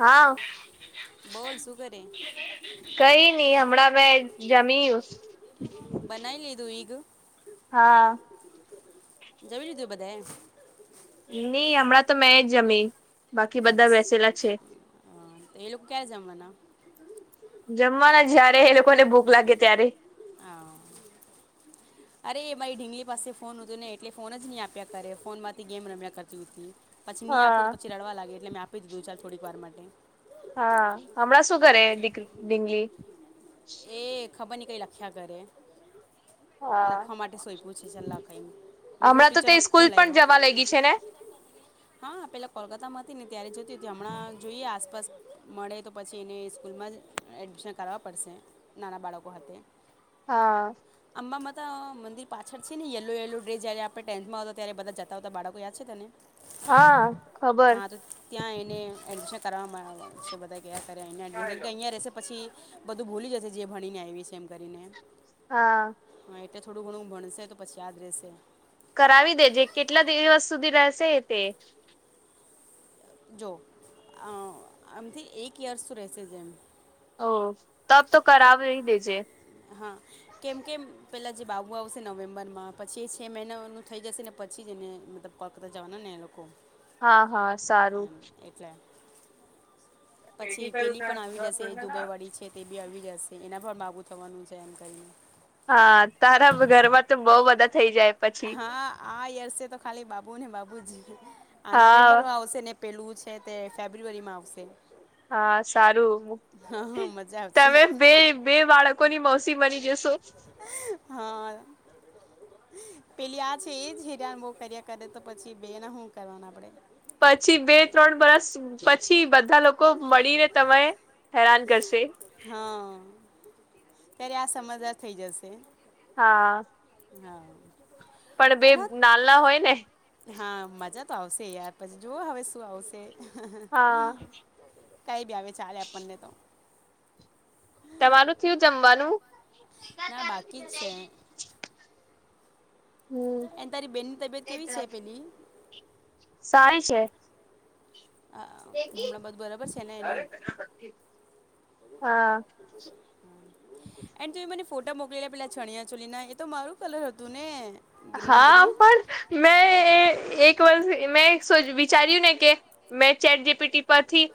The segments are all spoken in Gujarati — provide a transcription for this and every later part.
હા બોલ શું કરે કંઈ નહી હમણા મે જમીયુ. બનાઈ લીધું. ઈગ હા. જમી લીધું બંધાય એમ. મેં હમણા તો મે જ જમી. બાકી આજ બધા બેસેલા છે હ એ લોકો ક્યાં જમવાના. જમવાના જયારે એ લોકોને ભૂખ લાગે ત્યારે. હા અરે મારી ઢીંગલી પાસે ફોન હતું, ને એટલે ફોન જ નહી આપ્યા કરે ફોન માંથી ગેમ રમ્યા કરતી હતી. પછી ન હા આપું પછી રડવા લાગે એટલે મે આપીધું ચાલ થોડીક વારમાં હા હમણાં શું કરરે દીક ડિંગલી. એ ખબર ન કઈ લખ્યા કરે. હા લખવા માટે સોઈ પૂછી છે લખાઈ મેં કધું ટીચર ખોલ આવવો. પી છે, ને હા પેલા કોલકાતામાં હતી ને ત્યારે જતી તી હમણાં જોઈએ આસપાસ મળે તો પછી એને સ્કૂલમાં જ એડમિશન કરવા પડશે નાના બાળકો હતે હા. ત મંદિર પાછળ છે ને યલો યેલો ડે જયારે આપણે ટેન્થમાં હતો ત્યારે બધા જતા હોતા બાળકો યાદ છે તને હા ખબર હા તો ત્યાં એને એડમિશન કરવામાં આવે છે બધા એ કયા કરે કેમ અહિયાં રશે પછી બધું ભૂલી જશે જે ભણીને આવી છે એમ કરીને હા. હા, એટલે થોડું ઘણું ભણશે તો પછી યાદ રહેશે કરાવી દેજે કેટલા દિવસ સુધી રહેશે તે જો અ મઆમથી અ એક યર્સ તો રહેશે જ એમ ઓ તબ તો કે કરાવહી દેજે હા કેમ કેમ પેલા જે બાબુ આવશે નવેમ્બર માં પછી એ છે મહિનાનું થઈ જશે ને પછી જેને મતલબ કોલકતા જાવાના ને એ લોકો હા હા સારું એમ એટલે પછી પેલી પણ આવી જશે દુબઈ વાળી છે તે બી આવી જશે એના પણ બાબુ થવાનું છે એમ કરીને હા તારા ઘરમાં તો બહુ બધા થઈ જાય પછી હા આ યર્સે તો ખાલી બાબુ ને બાબુજી આ હા નવેમ્બરમાં આવશે ને પેલું છે તે ફેબ્રુઆરીમાં આવશે હા સારું હા હા મજા આવશે તમે બે બે બાળકોની મોસી મોસી બની જસો હા. પેલી આ છે એજ હેરાન બહુ કર્યા કરે તો પછી બે ના હુ કરવાનું આપડે પછી બે ત્રણ વરસ પછી બધા લોકો મળીને તમે હેરાન કરશે હા ત્યારે આ સમજદાર થઈ જશે હા. હા. પણ બે એનો નાલા હોય ને એ તો આવશે યાર પછી જોઓ હવે શું આવશે હા કંઈ બી આવે ચાલે આપણને તો તમારું થયું જમવાનું ના બાકી જ છે. હમ એન તારી બેનની તબિયત કેવી છે પેલી સારી છે. અ હમણાં બધું બરાબર છે ને એનું [unintelligible] હા. એન્ડ તું એ મને ફોટા મોકલી લે પેલા ચણિયા ચોલી ના એ તો મારું કલર હતું ને ગ્રીન હા ગ્રીન પણ મે એ એક વર્ષ મે એ સુ વી ચાર્યુ ને કે મેં ચેટ જીપીટી પરથી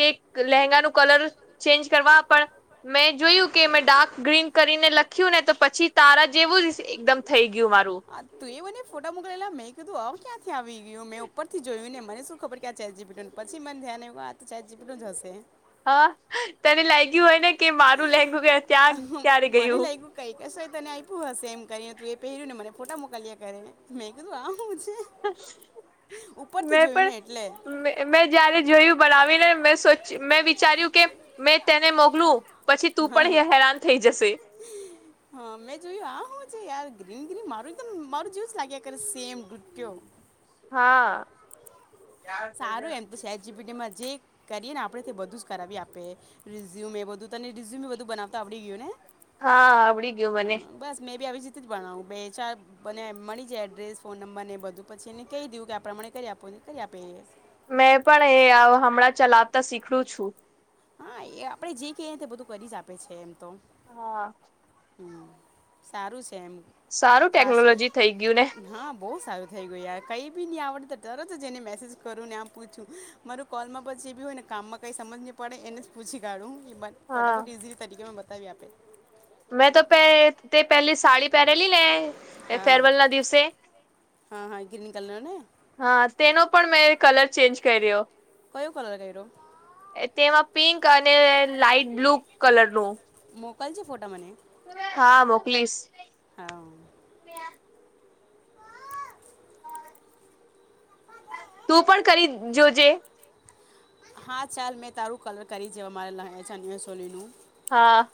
તે લહેંગા નું કલર ચેન્જ કરવા પણ મેં જોયું કે મેં ડાર્ક ગ્રીન કલ કરીને લખ્યું ને તો પછી તારા જેવું જ એકદમ થઈ ગયું મારું આ તું એ બને ફોટા મોકલેેલા મેં કીધું આવ ક્યાંથી આવી મે મેં ઉપર થી જોયું ને મને શું ખબર કે આ ચેટ જી પી ટી પછી મને ધ્યાન આવ્યું આ તો ચેટ જી પી ટી નું જ હશે હા તને લાગ્યું હોય ને કે મારું લહેંગુ હા ત્યાં ક્યારે મ મને ગયું લાગ્યું કઈ હસેય તને આપ્યું હશે એમ કરીને તું એ પહેર્યું ને મને ફોટા મોકલ્યા કરેને મેં કીધું આવું હું સે હ ઉપરથી જોયું ને એટલે મેં જયારે જોયું બનાવીને મે સોચ્યું મેં વિચાર્યું કે મેં તેન મોકલું પછી તું હા પણ હેરાન થઈ જશે હા મેં જોયું આ હું છે યાર ગ્રીન ગ્રીન મારું એકદમ મારું જ્યુસ લાગ્યા કરે સેમ ગુટ્યો હા સારું [inaudible] એમ તો ચેટ જીપીટીમાં જે કરીએ ને આપણે તે બધું જ કરાવી આપે રિઝ્યુમ એ બધુ તને રિઝ્યમે બધુ બનાવતા આપડી ગયુ ને હા આવડી ગ્યુ મને થી જ બનાવુ બે ચારને બને મળી જાય એડ્રેસ ફોન નંબર ને બધુ પછી એને કહી દયુ કે આપ પ્રમાણે કરી આપો કરી આપે એ મેં પણ એ હ હમણાં ચલાવતા શીખડુ છુ હા એ આપડે જે કે તે બધુ કરી જ આપે છે એમ તો હા હમ સારું છ એમ સારું ફાસ ટેકનોલોજી થઈ ગયું ને હ બઉ સારું થઈ ગયુ યાર કઈ બી ની આવડ તરત જ એને મેસેજ કરું ને આમ પૂછુ મારુ કોલમા પછી જે બી હોય ને કામમા કઈ સમજ ની પડે એને જ પૂછી કાઢુ એ બ હા ફટાફટ ઇઝીલી તરીકે મે બતાવીએ આપે મેં તો પે તે પેલી સાડી પરેલી ને હા ફેરવેલ ના દિવસે હા હા ગ્રીન કલર ને હા તેનો પણ મે કલર ચેન્જ કર્યો કયો કલર કર્યો તેમા પિંક અને લાાઈટ બ્લુ કલર નું મોકલ જે ફોટા મને હા મોકલીસ હા તું પણ કરી જજોજે હા ચાલ મેં તારું કલર કરી જોવા માર ક સોલીલુ હા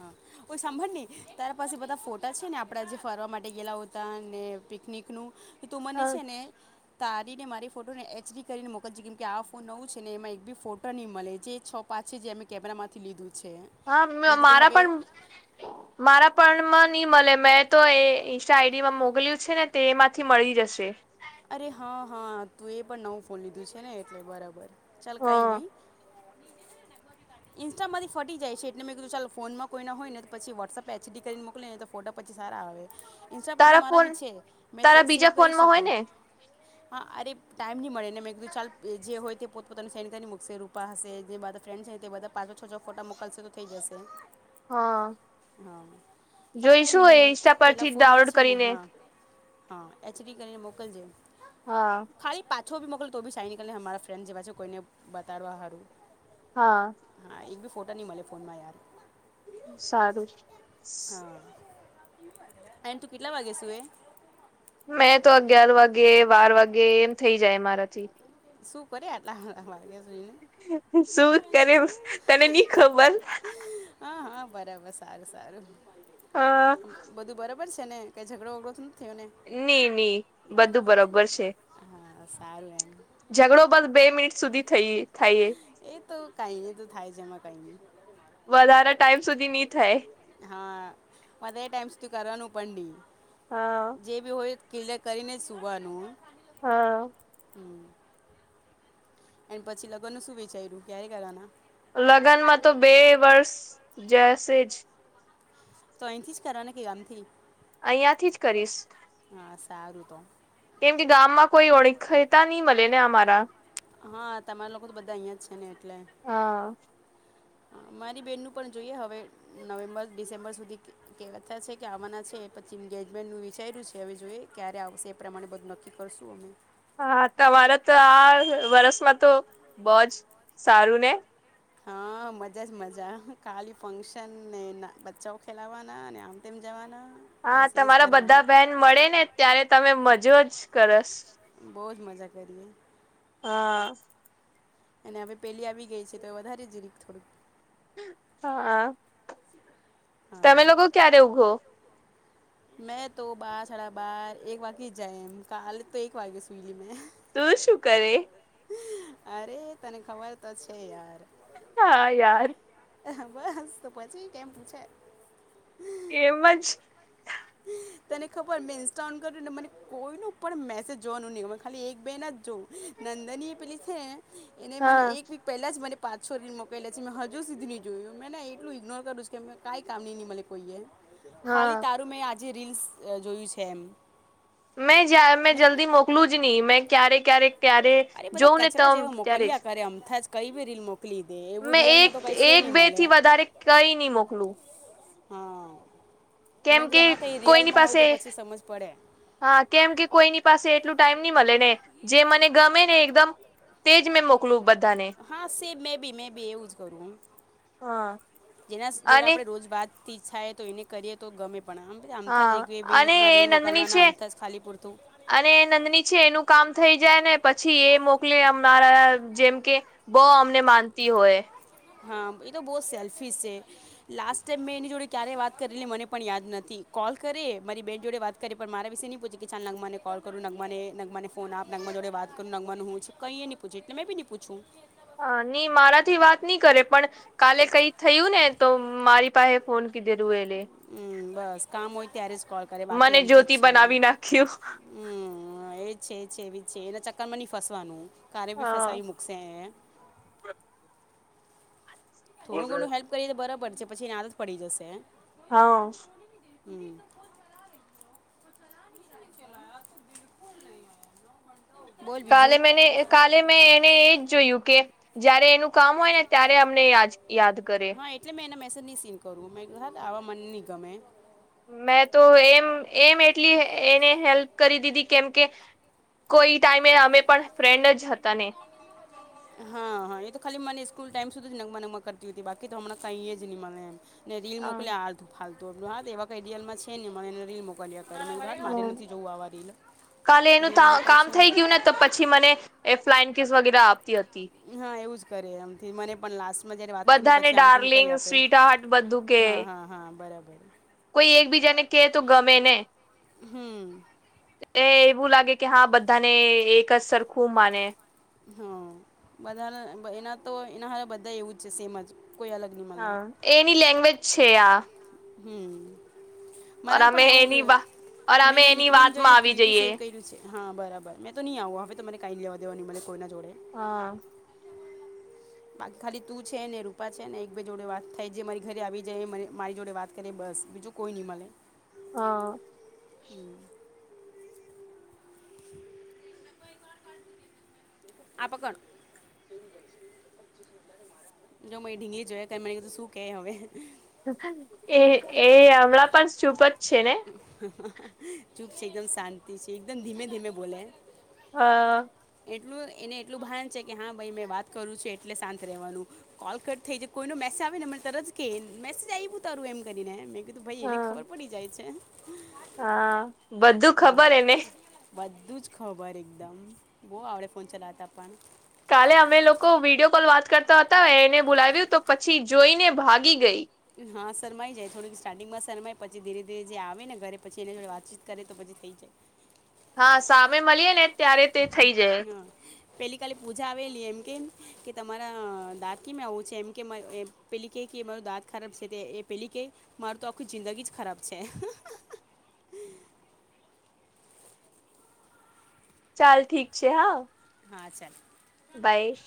હા ઓઈ સાંભળ ને તાર પાસે બધા ફોટા છે ને આપડા જે ફરવા માટે ગયેલા ઓતા ને પિકનિક નુ તો તુ મને છે હા ને તારીને મારી ફોટો ને એચડી કરીને મોકલ જે કેમ કે આ ફોન નવુ છે ને એમા એક બી ફોટો ની મલે જે છ પાંચ પા છે જે મે કેમેરામાંથી લીધુ છે હા મેં કીધું મારા હવે પણ મારા પણ મન ની મલે મેં તો એ ઇન્સ્ટા આઈડીમા મોકલ્યુ છે ને તેમાંથી મળી જશે અરે હ હ તુ એ પણ નવુ ફોન લીધુ છે ને એટલે બરાબર ચાલ કઈ હા ની ઇન્સ્ટામાંથી ફટી જાય એટલે કીધુ ચાલ ફોનમા કોઈ ના હોય ને તો પછી વોટ્સપ એચડી કરીને મોકલી ને ફોટો પ પછી સારા આવે ઇન્સ્ટા પર તારા તો મારા ફોન બી છે મેં તારા સેવ બીજા કરી ફોનમાં હોય શકુ ને હા અરે ટાઈમ ની મળે ને મેં કીધું ચાલ જે હોય તે પોત પોતાની સેન કરીને મૂકશે રૂપા હશે જે બધા ફ્રેન્ડ છે તે બધા પાછો છો છો ફોટો મોકલશે તો થઈ જશે હા હા ચાલ કાંઈ જોઈશુ નહીં મેં ઇસ્ટા પેલા પરથી ફોનમાં ડાઉલોડ છે ને કરીને હા હા એચડી કરીને મોકલજે હા ઓછો બી મોકલ તો બી સાનીકલી અમારા ફ્રેન્ડસ એવા છે કોઈને બતાડવા હારું હા ફોટા ની મલે ફોનમા યાર સારું સ એન તુ કેટલા વાગે સુુએ મેં તો અગિયાર વાગે બાર વાગે એમ થઇ જાય મારાથી શું કરે આટલા વાગ્યા સુ શું કરે તને નઈ ખબર હા હા બરાબર સારું સારું હા ખબર છે ને કંઈ ઝડો વઘડો નઈ નઈ બધું બરોબર છે સારુ લેન ઝઘડો બસ બે મિનિટ સુધી થઈ થાય એ એ તો કાંઈ ન તો થાય છે એમાં કાંઈ ન વધારે ટાઈમ સુધી નહી થાય પંડી હા જે બી હોય કિલ્લ કરીને સુવાનું હા એ પછી લગ્ન ન શું વિચાર્યુ ક્યારે કરવાના લગ્નમાં તો બે વર્ષ જશે જ તો અહીંથી જ કર ને કે ગામથી અહીંયાથી જ કરીશ હા સારું તો કેમ કે ગામમાં કોઈ ઓળખતા નહી મળે ને અમારા હા તમારા લોકો તો બધા અહિયાં જ છે ને એટલે હા મારી બેન નું પણ જોઈએ હવે નવેમ્બર ડિસેમ્બર સુધી કેવાતા છે કે આવવાના છે પછી એન્ગેજમેન્ટનું વિચાર્યું છે હવે જોઈએ ક્યારે આવશે એ પ્રમાણે બધું નક્કી કરશું અમે હા તમારે તો આ વર્ષમાં તો બહજ સારું ને હા મજા જ મજા કાલી ફંક્શન ને બચ્ચાઓ ખેલાવાના ને આમ તેમ જવાના હા બસ એ જ તમારા બધા કરવાના બહેન મળે ને ત્યારે તમે મજો જ કરશ બહુ જ મજા કરીએ હા અને હવે પેલી આવી ગઈ છે તો વધારે જન થોડુંક હા હા તમે લોકો ક્યારે ઉઘો મેં તો બાર સાડા બાર એક વાગ્ય જ જાય એમ કાલે તો એક વાગે સુઈ લ મેં તું શું કરે અરે તને ખબર તો છે યાર હા યાર બસ તો પછી કેમ પૂછે એમજ તને ખબર મેં ઇન્સ્ટા ઓ કર્યું ને મને કોઈ ન પણ મેસેજ જોવાનું નહી ખાલી એક બે ના જ જોવું નંદની એ પેલી છે એને મને હા એક વીક પહેલા જ મને પાંચસો રીલ મોકલા છે મે હજ હજ સુીધું નહી જોયું મેંને એટલું ઇગ્નોર કરું કે કંઈ કામ નહી નહીં મળે કોઈએ ખાલી હા તારો મે આજે રીલ્સ જોયું છે એમ મેં જ મે ને જલ્દી મોકલું જ નહી મેં ક્યારે ક્યારે ક્યારે અરે જોઉં ને તમ ત્યારે કૈવેરીલ મો મેં એક એક બે થી વધારે કઈ નહી મોકલું હા કેમ મે કે હા કઈ કોઈની રિયલમાં હોય તો પાસે પછી સમજ પડે હા કેમ કે કોઈની પાસે એટલું ટાઈમ નહી મળે ને જે મને ગમે ને એકદમ તેજ મેં મોકલું બધું હા સેમ મે બી મે બી એ વુઝ કરું હા હ જેના જોડે અને આપડે રોજ બાદ થીઈચ્છાએ તો એને કરીએ તો ગમે પણ આમ થાજ એક હા બે અને વીકમાં એ રીલ નંદની મોકલવાના છે આમ જ ખાલી પૂર અને નંદની છે એનું કામ થઈ જાય ને પછી એ મોકલી મારા જેમ કે બહ અમને માનતી હોય હા એ તો બહુ જ સેલ્ફીસ છે લાસ્ટ ટાઈમ મેં એની જોડે ક્યારેય વાત કરલી મને પણ યાદ નથી કોલ કરે મારી બેન જોડે વાત કરે પણ મારા વિશે નહી પૂછે કે ચાલ નગમાને કોલ કરું નગમાને નગમાને ફોન આપ નગ જોડે વાત કર નાગવાનું હું કઈ નહી પૂછું એટલે મેં બીહી પૂછું હા નઈ મારાથી વાત નહી કરે પણ કાલે કઈ થયું ને તો મારી પાસે ફોન કીધે હમ બસ કામ હોય ત્યારે કોલ કરે બાકી મને એમથી જ જ્યોતિ છે બનાવી નાખ્યું હમ એજ છે છે બી છે એના ચક્કર માં નહી ફસવાનું કારે બી હા ફસાવી મૂકશે થોડું ઘણું હેલ્પ કરીએ તો બરાબર છે પછી એની આદત પડી જશે હા હમ કો નહી કાલે મે કાલે મેં એને એજ જોયું કે જયારે એનું કામ હોય ને ત્યારે અમને યા યાદ કરે હા એટલે મેં એના સીન કરવું આવા મન નની ગમે મેં તો એમ એમ એટલી એને હેલ્પ કરી દીધી કેમ કે કોઈ ટાઈમે અમે પણ ફ્રેન્ડ જ હતા ને હા હા એ તો ખાલી મને સ્કૂલ ટાઈમ સુધી જ નગમા નગમા કરતી હતી બાકી તો હમણાં કઈ એ જ નહી મને એમ ને રીલ મોકલી આથું ફાલતુ આપું એવા કઈડિયાલમાં છે ને મને રીલ મોક કલ કર મ મારે નથી જવું આવા રીલા કાલે એનું કામ થઈ ગયું ને તો પછી મને એ ફ્લાઇન કિસ વગેરે આપતી હતી હા એવું જ કરે એમથી મને પણ લાસ્ટ ઘરે વાત કર બધાને પછી આમથીમ કરી ડાર્લિંગ આપે સ્વીટ હાર્ટ બધું કે હા હા હા બરાબર કોઈ એકબીજાને કે તો ગમે ને હમ એ એવું લાગે કે હા બધાને એક જ સરખું માને હા બધા એના તો એના હ બધા એવું જ છે સેમજ હા એની લેંગ્વેજ છે આ હમ ઓ અમે એની બા ઓર અમે મેંને એની નનીકલેમ જો વાતમાં આવી કવિટી જઈએ સેવ કર્યું છે હા બરાબર મેં તો નહીં આવું હવે મ કઈ લેવા ની મળલે કોઈ ના હા ખાલી તું છે ને રૂપા છે ને એક બે જોડે વાત થાય જે મારી ઘરે આવી જાય મારી જોડે વાત કરીે બસ બસ બીજું કોઈ નિ મળે હા હમ આપ કોણ જો મરી ઢીંગી જોય મને કધું શું કે હવે એ એ હમણાં પણ ચૂપ જ છે ને ચૂપ છે એકદમ શાંતિ છે એકદમ ધીમે ધીમે બોલે હા એટલું એને એટલું ભાન છે કે હા ભાઈ મેં વાત કરું છેું એટલે શાંત રહેવાનું કોલકટ થઈ જ કોઈનો મે આવેને તર જ કે મેસેજ આવી્યું તારું એમ કરીને મેં કીધું ભાઈ એને ખબર પડી જાય છે હા બધું હા ખબર એને બધું જ ખબર એકદમ બહ આવડે ફોન ચલાવતા પણ કાલે અમે લોકો વિડીિયો કોલ વાત કરતા હતા એને બોલાવ્યું તો પછી જોઈને ભાગી ગઈ હા શરમાઈ જાય થોડીક સ્ટાર્ટિંગમાં શમાય પછી ધીરે ધીરે જે આવે ને ઘરે પછી એને થ વાતચીત કરે તો પછી થઈ જાય હા સામે મળીએે ને ત્યારે તે થઈ જાય પેલી કાલે પૂજા આવેલી એમ કે કે તમારા દાંતકી મેં હોવું છે એમ કે પે કે દાંત ખરાબ છે એ પેલી કે મારું તો આખું જિંદગી જ ખરાબ છે [unintelligible] ચાલ ઠીક છે હા હા ચાલ બાઈ